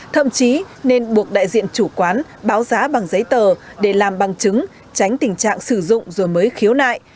thậm chí nên buộc đại diện chủ quán báo giá bằng giấy tờ để làm bằng chứng tránh tình trạng sử dụng rồi mới khiếu nại